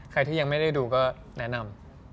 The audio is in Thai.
ใครที่ยังไม่ได้ดูก็แนะนำ